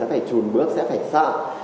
sẽ phải trùn bước sẽ phải sợ